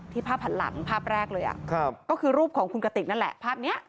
ที่ภาพหลังภาพแรกเลยอะก็คือรูปของคุณกะติกนั่นแหละ